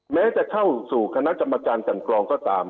แม้จะเข้าสู่คณะจำประจำกรองก็ตาม